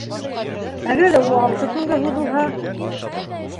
Әгәр ҙә ул алты көнгә һуҙылһа?